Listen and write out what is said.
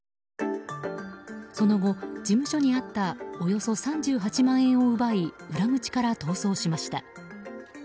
その後、事務所にあったおよそ３８万円を奪い裏口から逃走しました。